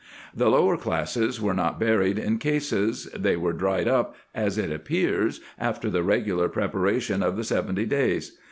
The lower classes were not buried in cases : they were dried up, as it appears, after the regular pre paration of the seventy days.